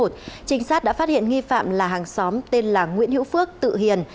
trinh sát đã phát hiện nghi phạm là hàng xóm tên là nguyễn hữu phước tự hiền